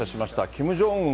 キム・ジョンウン